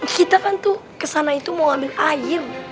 kita kan tuh kesana itu mau ambil air